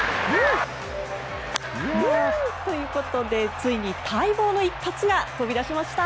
ということで、ついに待望の一発が飛び出しました。